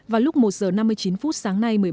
vào lúc một giờ năm mươi chín phút sáng nay